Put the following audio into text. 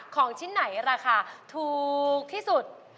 ของชิ้นไหนราคาถูกที่สุด